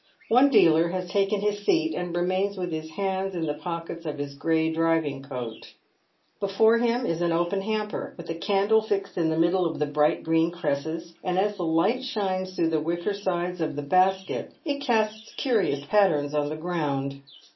One dealer has taken his seat, and remains with his hands in the pockets of his grey driving coat. Before him is an open hamper, with a candle fixed in the middle of the bright green cresses, and as the light shines through the wicker sides of the basket it casts curious patterns on the ground.